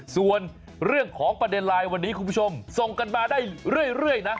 ส่วนเรื่องของประเด็นไลน์วันนี้คุณผู้ชมส่งกันมาได้เรื่อยนะ